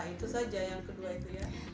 itu saja yang kedua itu ya